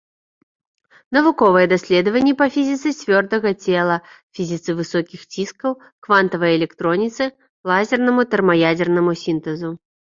Навуковыя даследаванні па фізіцы цвёрдага цела, фізіцы высокіх ціскаў, квантавай электроніцы, лазернаму тэрмаядзернаму сінтэзу.